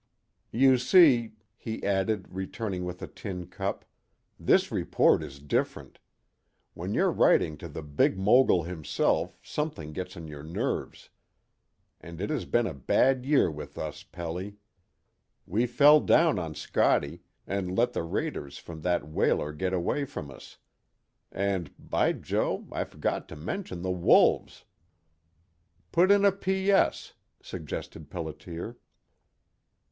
"You see," he added, returning with a tin cup, "this report is different. When you're writing to the Big Mogul himself something gets on your nerves. And it has been a bad year with us, Pelly. We fell down on Scottie, and let the raiders from that whaler get away from us. And By Jo, I forgot to mention the wolves!" "Put in a P. S.," suggested Pelliter.